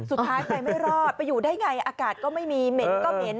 สุดท้ายไปไม่รอดไปอยู่ได้ไงอากาศก็ไม่มีเหม็นก็เหม็น